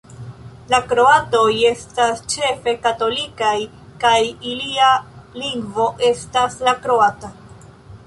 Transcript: La kroatoj estas ĉefe katolikaj, kaj ilia lingvo estas la kroata.